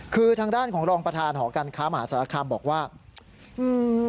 คือทางด้านของรองประธานหอการค้ามหาสารคามบอกว่าอืม